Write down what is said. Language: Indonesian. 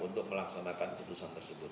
untuk melaksanakan putusan tersebut